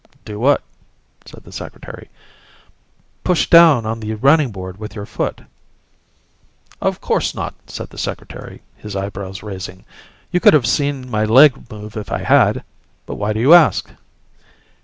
"Do what?" said the Secretary. "Push down on the running board with your foot." "Of course not," said the Secretary, his eyebrows raising. "You could have seen my leg move if I had. But why do you ask?"